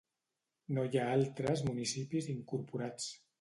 No hi ha altres municipis incorporats.